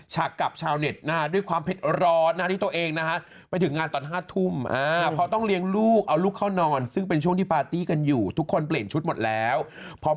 กับชาวเน็ตด้วยความเผ็ดร้อนนะที่ตัวเองนะฮะไปถึงงานตอน๕ทุ่ม